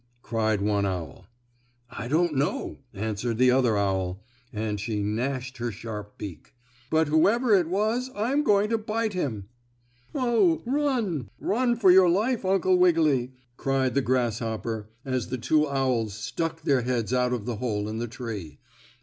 cried one owl. "I don't know," answered the other owl, and she gnashed her sharp beak, "but whoever it was I'm going to bite him!" "Oh, run! Run for your life, Uncle Wiggily!" cried the grasshopper, as the two owls stuck their heads out of the hole in the tree.